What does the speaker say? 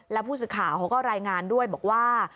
แล้วผู้สื่อข่าวเขาก็รายงานด้วยบอกว่า